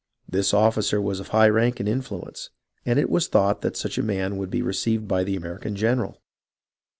This officer was of high rank and influence, and it was thought that such a man would be received by the American general.